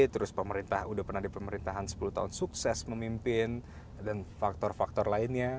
terus pemerintah udah pernah di pemerintahan sepuluh tahun sukses memimpin dan faktor faktor lainnya